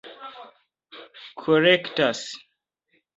korektas